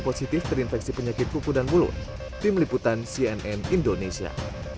positif terinfeksi penyakit kuku dan mulut tim liputan cnn indonesia